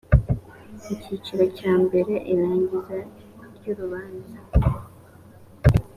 icyiciro cya mbere irangiza ry urubanza